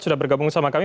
sudah bergabung sama kami